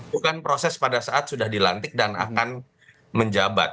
bukan proses pada saat sudah dilantik dan akan menjabat